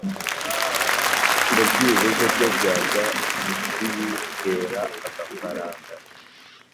ngo byibuze byo byajya bibihera agafaranga.